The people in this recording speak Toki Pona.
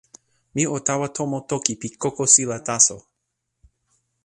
mi o tawa tomo toki pi kokosila taso.